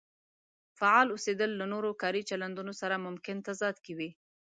فعال اوسېدل له نورو کاري چلندونو سره ممکن تضاد کې وي.